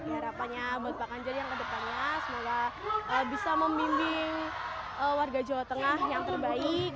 harapannya buat pak ganjar yang kedepannya semoga bisa membimbing warga jawa tengah yang terbaik